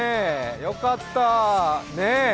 よかった、ねえ。